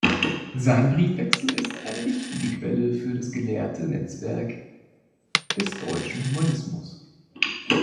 Sein Briefwechsel ist eine wichtige Quelle für das gelehrte Netzwerk des deutschen Humanismus.